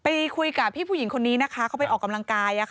ไปคุยกับพี่ผู้หญิงคนนี้นะคะเขาไปออกกำลังกาย